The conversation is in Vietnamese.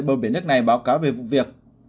bờ biển nước này báo cáo về vụ việc